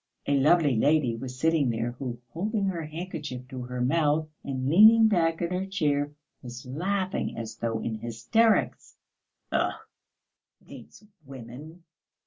A lovely lady was sitting there who, holding her handkerchief to her mouth and leaning back in her chair, was laughing as though in hysterics. "Ugh, these women!"